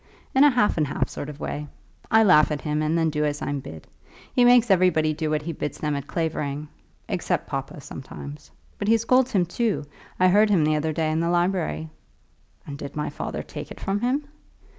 "In a half and half sort of way. I laugh at him, and then do as I'm bid. He makes everybody do what he bids them at Clavering, except papa, sometimes. But he scolds him, too. I heard him the other day in the library." "And did my father take it from him?"